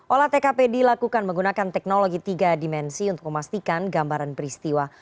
olah tkp dilakukan menggunakan teknologi tiga dimensi untuk memastikan gambaran peristiwa